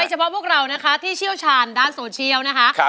เฉพาะพวกเรานะคะที่เชี่ยวชาญด้านโซเชียลนะคะ